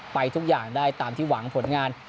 ไปทุกอย่างได้ตามที่หวังผลงาน